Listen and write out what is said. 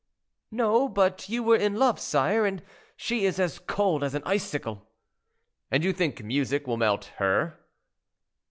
"No; but you were in love, sire; and she is as cold as an icicle." "And you think music will melt her?"